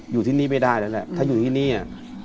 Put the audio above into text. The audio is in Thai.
อยู่ที่นี่ไม่ได้แล้วแหละถ้าอยู่ที่นี่